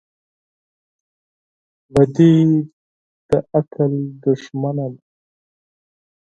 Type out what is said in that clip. • دښمني د عقل دښمنه ده.